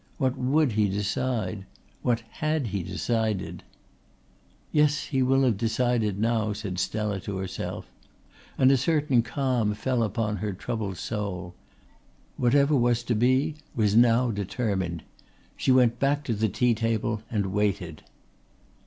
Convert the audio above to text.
What would he decide? What had he decided? "Yes, he will have decided now," said Stella to herself; and a certain calm fell upon her troubled soul. Whatever was to be was now determined. She went back to the tea table and waited.